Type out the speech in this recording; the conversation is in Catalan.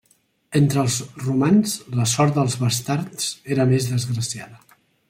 Entre els romans la sort dels bastards era més desgraciada.